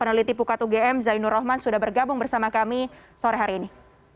peneliti pukat ugm zainul rahman sudah bergabung bersama kami sore hari ini